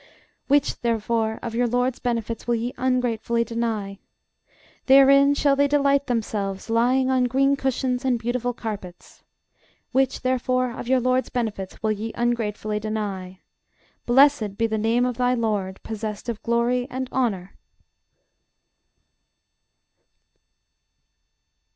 Which, therefore, of your LORD'S benefits will ye ungratefully deny? Therein shall they delight themselves, lying on green cushions and beautiful carpets. Which, therefore, of your LORD'S benefits will ye ungratefully deny? Blessed be the name of thy LORD, possessed of glory and honor!